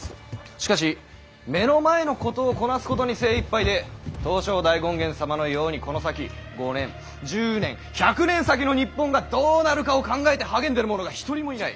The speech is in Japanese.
しかし目の前のことをこなすことに精いっぱいで東照大権現様のようにこの先５年１０年１００年先の日本がどうなるかを考えて励んでる者が一人もいない。